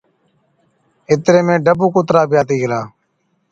اِتري ۾ ڊبُو ڪُترا بِي آتِي نِڪرلا۔